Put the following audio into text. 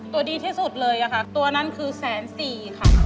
ตัวดีที่สุดเลยค่ะตัวนั้นคือแสนสี่ค่ะ